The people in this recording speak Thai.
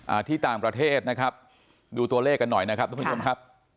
อ่าที่ต่างประเทศนะครับดูตัวเลขกันหน่อยนะครับทุกผู้ชมครับ